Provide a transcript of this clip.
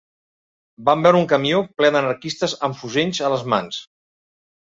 Vam veure un camió, ple d'anarquistes amb fusells a les mans